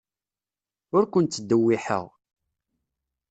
Ur ken-ttdewwiḥeɣ.